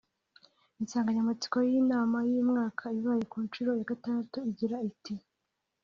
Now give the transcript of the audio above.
Insanganyamatsiko y’inama y’uyu mwaka ibaye ku nshuro ya gatandatu igira iti